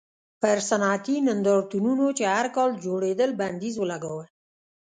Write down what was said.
پر صنعتي نندارتونونو چې هر کال جوړېدل بندیز ولګاوه.